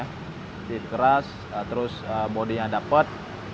sedikit keras terus bodinya dapat